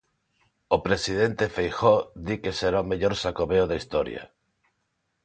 O Presidente Feijóo di que será o mellor Xacobeo da historia.